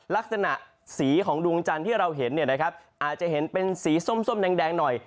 ลักษณะสีของดวงจันทร์ที่เราเห็นเนี่ยนะครับอาจจะเห็นเป็นสีส้มแดงหน่อย